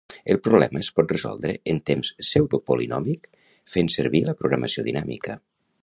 El problema es pot resoldre en temps pseudo-polinòmic fent servir la programació dinàmica.